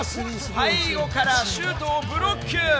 背後からシュートをブロック！